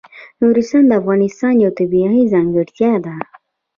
نورستان د افغانستان یوه طبیعي ځانګړتیا ده.